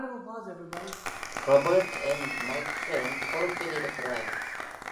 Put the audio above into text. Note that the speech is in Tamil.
Robert N. McFarlane பொறுப்பில் இருக்கிறார்.